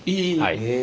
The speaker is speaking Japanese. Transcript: へえ。